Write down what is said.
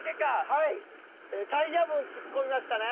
はいタイヤ分突っ込みましたね。